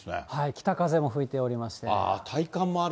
北風も吹いておりまして。